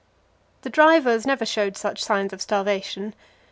The drivers never showed such signs of starvation.